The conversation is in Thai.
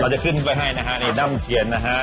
เราจะขึ้นไปให้นะฮะนี่นั่มเทียนนะฮะ